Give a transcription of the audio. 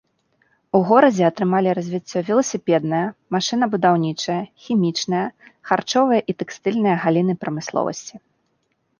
У горадзе атрымалі развіццё веласіпедная, машынабудаўнічая, хімічная, харчовая і тэкстыльная галіны прамысловасці.